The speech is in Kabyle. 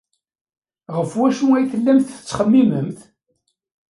Ɣef wacu ay tellamt tettxemmimemt?